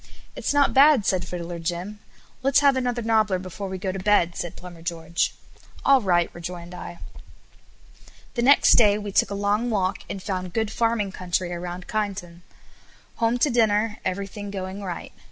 "It's not bad," said Fiddler Jim. "Let's have another nobbler before we go to bed," said Plumber George. "All right," rejoined I. The next day we took a long walk; and found good farming country around Kyneton. Home to dinner, everything going right.